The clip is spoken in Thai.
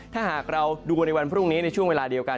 ถ้าหากเราดูในวันพรุ่งนี้ในช่วงเวลาเดียวกัน